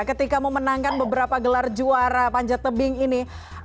ketika memenangkan beberapa gelar juara panjatabim ini